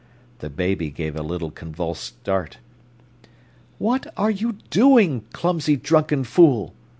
The baby gave a little convulsed start. "What are you doing, clumsy, drunken fool?"